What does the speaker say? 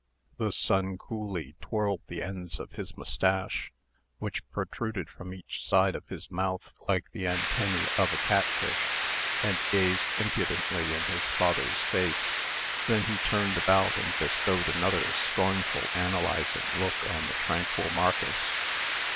The son coolly twirled the ends of his mustache which protruded from each side of his mouth like the antennae of a catfish and gazed impudently in his father's face. Then he turned about, and bestowed another scornful, analyzing look on the tranquil Marcus.